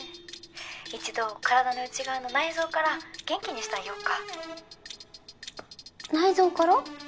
☎一度体の内側の内臓から元気にしてあげよっか内臓から？